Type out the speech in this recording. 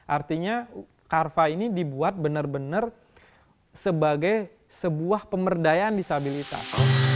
artinya carva ini dibuat benar benar sebagai sebuah pemberdayaan disabilitas